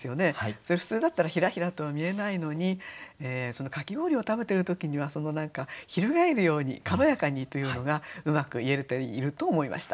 それ普通だったらひらひらとは見えないのにかき氷を食べている時には翻るように軽やかにというのがうまくいえていると思いました。